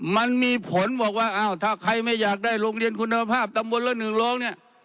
มันมีผลบอกว่าอ้าวถ้าใครไม่อยากได้โรงเรียนคุณภาพตำบลละ๑โรงเนี่ย